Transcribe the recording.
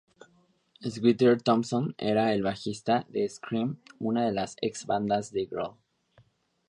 Skeeter Thompson era el bajista de Scream una de las ex bandas de Grohl.